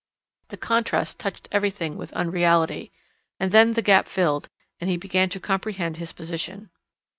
The contrast touched everything with unreality. And then the gap filled, and he began to comprehend his position.